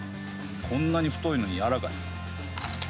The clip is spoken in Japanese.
こんなに太いのに柔らかい。